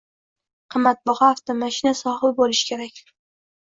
Qimmatbaho avtomashina sohibi boʻlishi kerak.